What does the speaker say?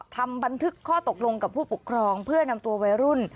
ทำบันทึกข้อตกลงกับผู้ปกครองเพื่อนำตัววัยรุ่น